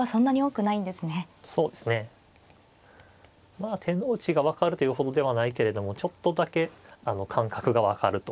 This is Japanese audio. まあ手の内が分かるというほどではないけれどもちょっとだけ感覚が分かると。